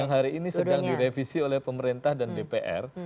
hari ini sudah direvisi oleh pemerintah dan dpr